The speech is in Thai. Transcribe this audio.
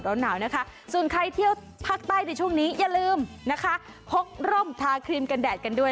หนาวนะคะส่วนใครเที่ยวภาคใต้ในช่วงนี้อย่าลืมนะคะพกร่มทาครีมกันแดดกันด้วย